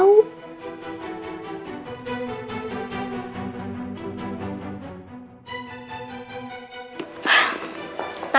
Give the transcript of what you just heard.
aku juga nggak tahu